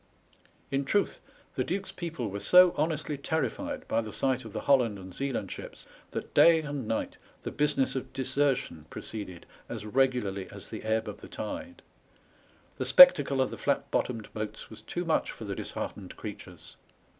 In truth, the duke's people were so honestly terrified by the sight of the Holland and Zealand ships that day and night the business of desertion pro ceeded as regularly as the ebb of the tide. The spec tacle of the fiat bottomed boats was too much for the disheartened creatures.